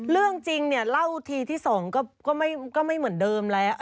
เรื่องจริงเนี่ยเล่าทีที่๒ก็ไม่เหมือนเดิมแล้ว